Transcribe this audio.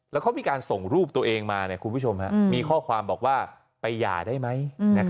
แล้วเขามีการส่งรูปตัวเองมาคุณผู้ชมมีข้อความบอกว่าไปหย่าได้ไหม